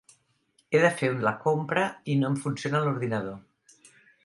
He de fer la compra i no em funciona l'ordinador.